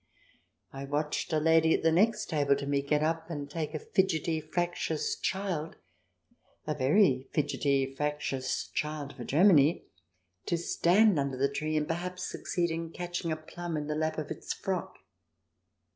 I watched a lady at the next table to me get up and take a fidgety, fractious child — a very fidgety, fractious child for Germany — to stand under the tree and perhaps succeed in catching a plum in the lap of its frock.